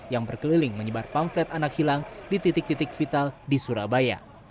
yang berkeliling menyebar pamflet anak hilang di titik titik vital di surabaya